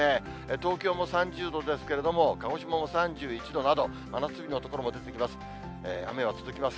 東京も３０度ですけれども、鹿児島も３１度など、真夏日の所も出てきます。